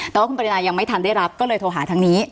แต่ว่าคุณปรินายังไม่ทันได้รับก็เลยโทรหาทางนี้